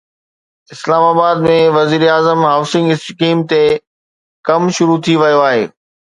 اسلام آباد ۾ وزيراعظم هائوسنگ اسڪيم تي ڪم شروع ٿي ويو آهي